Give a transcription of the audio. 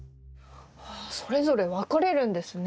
それぞれ分かれるんですね。